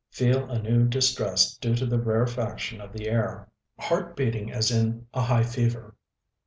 Feel a new distress due to the rarefaction of the air. Heart beating as in a high fever....